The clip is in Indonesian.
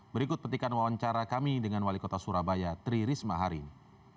berikut petikan wawancara kami dengan wali kota surabaya tri risma hari ini